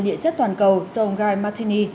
địa chất toàn cầu john guy martini